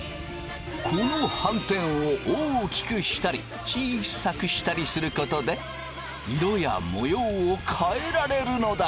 この斑点を大きくしたり小さくしたりすることで色や模様を変えられるのだ。